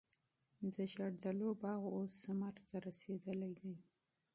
د زردالو باغ اوس ثمر ته رسېدلی دی.